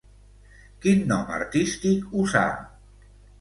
Quin nom artístic usà?